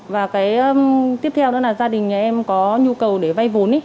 và tiếp theo đó là gia đình nhà em có nhu cầu để vay vốn